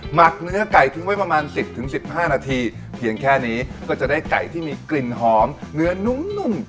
หมักเนื้อไก่ทิ้งไว้ประมาณ๑๐๑๕นาทีเพียงแค่นี้ก็จะได้ไก่ที่มีกลิ่นหอมเนื้อนุ่ม